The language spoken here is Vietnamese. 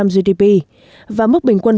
gdp và mức bình quân